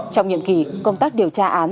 trong nhiệm kỳ công tác điều tra án